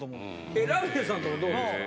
えラミレスさんとこどうですか。